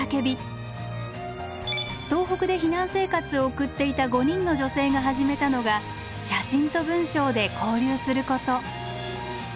東北で避難生活を送っていた５人の女性が始めたのが写真と文章で交流すること。